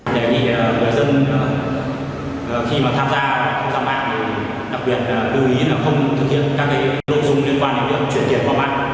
đề nghị người dân khi mà tham gia không giao mạng đặc biệt đưa ý là không thực hiện các cái nội dung liên quan đến chuyển tiền qua mạng